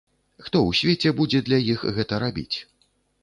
Хто ў свеце будзе для іх гэта рабіць?